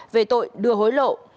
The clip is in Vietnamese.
về tội đưa hối lộ